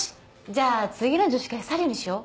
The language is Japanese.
じゃあ次の女子会サリューにしよう。